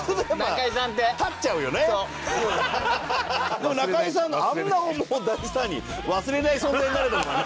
でも中居さんあんな大スターに忘れない存在になれた事はね。